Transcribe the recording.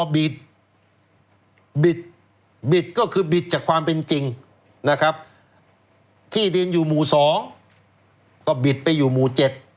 บิดก็คือบิดจากความเป็นจริงนะครับที่ดินอยู่หมู่๒ก็บิดไปอยู่หมู่๗